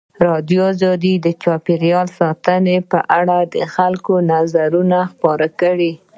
ازادي راډیو د چاپیریال ساتنه په اړه د خلکو نظرونه خپاره کړي.